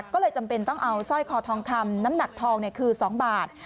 ก็เลยจำเป็นต้องเอาสร้อยคอทองคำน้ำหนักทองคือ๒บาท